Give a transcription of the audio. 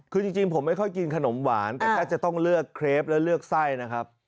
คือจริงผมไม่ค่อยกินขนมหวานแต่ถ้าจะต้องเลือกเครปและเลือกไส้นะครับ